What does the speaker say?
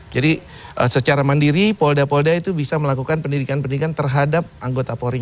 jadi secara mandiri polda polda itu bisa melakukan pendidikan pendidikan terhadap anggota polri